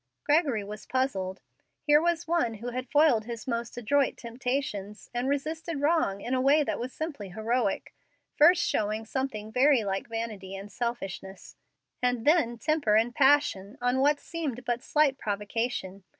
Gregory was puzzled. Here was one who had foiled his most adroit temptations, and resisted wrong in a way that was simply heroic, first showing something very like vanity and selfishness, and then temper and passion on what seemed but slight provocation.